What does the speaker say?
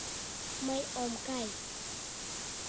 — Мый ом кай.